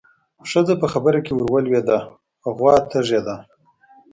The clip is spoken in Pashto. ښځه په خبره کې ورولوېده: غوا تږې ده.